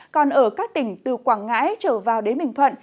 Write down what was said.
còn ở các tỉnh từ quảng ngãi trở vào đến bình thuận